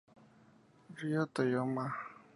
Ryo Toyama